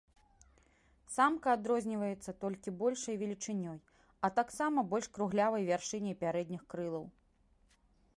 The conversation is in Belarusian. Самка адрозніваецца толькі большай велічынёй, а таксама больш круглявай вяршыняй пярэдніх крылаў.